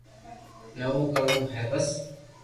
تنو ڪروہ ھي بس